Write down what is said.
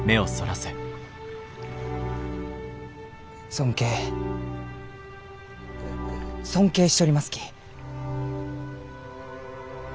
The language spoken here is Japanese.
尊敬尊敬しちょりますき。